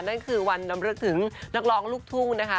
นั่นคือวันดำรึกถึงนักร้องลูกทุ่งนะคะ